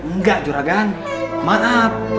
enggak juragan maaf